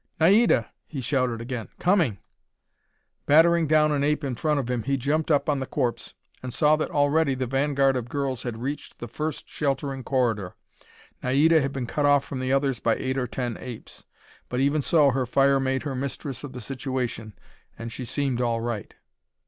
"Naida!" he shouted again. "Coming!" Battering down an ape in front of him, he jumped up on the corpse, and saw that already the vanguard of girls had reached the first sheltering corridor. Naida had been cut off from the others by eight or ten apes. But even so her fire made her mistress of the situation, and she seemed all right.